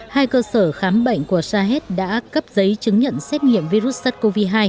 hai cơ sở khám bệnh của sahet đã cấp giấy chứng nhận xét nghiệm virus sars cov hai